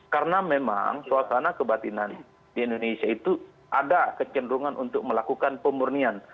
karena memang suasana kebatinan di indonesia itu ada kecenderungan untuk melakukan pemurnian